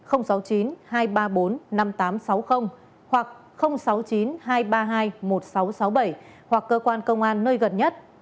hoặc sáu mươi chín hai trăm ba mươi hai một nghìn sáu trăm sáu mươi bảy hoặc cơ quan công an nơi gần nhất